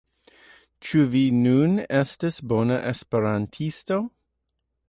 Ĉu vi nun estas bona Esperantisto?